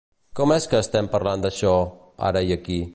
Com és que estem parlant d'això, ara i aquí?